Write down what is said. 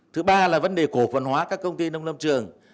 thứ ba là vấn đề cổ phần hóa các công ty nông lâm trường